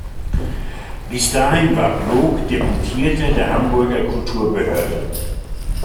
Bis dahin war Ploog Deputierter der Hamburger Kulturbehörde.